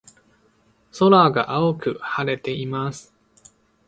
空が青く晴れています。